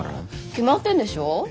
決まってんでしょ。